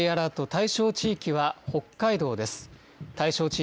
対象地域は北海道です。